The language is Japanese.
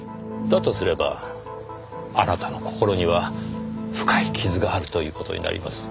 だとすればあなたの心には深い傷があるという事になります。